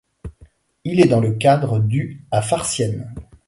Il est dans le cadre du à Farciennes.